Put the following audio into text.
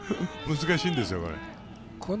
難しいんですよ、これ。